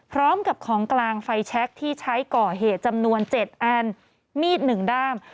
พร้อมกับของกลางไฟแชคที่ใช้ก่อเหตุจำนวน๗อันมีด๑ด้าม